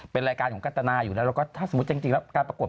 เป็นรายการของกัตนาอยู่แล้วแล้วก็ถ้าสมมุติจริงแล้วการปรากฏ